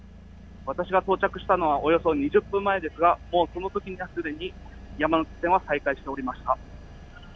私が到着したのはおよそ２０分前ですが、もうそのときにはすでに山手線は再開しておりました。